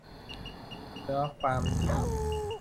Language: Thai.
เนื้อความที่